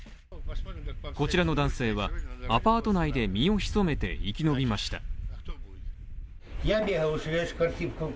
こちらの男性は、アパート内で身を潜めて生き延びました。